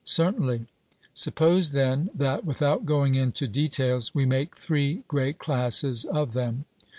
'Certainly.' Suppose then that, without going into details, we make three great classes of them.